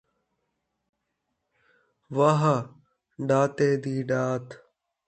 واہ ݙاتے دی ݙات